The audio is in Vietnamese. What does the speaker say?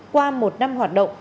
qua một năm hoạt động